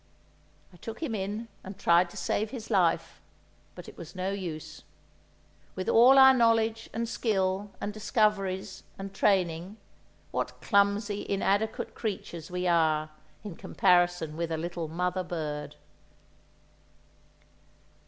I took him in, and tried to save his life—but it was no use. With all our knowledge and skill and discoveries and training, what clumsy, inadequate creatures we are in comparison with a little mother bird!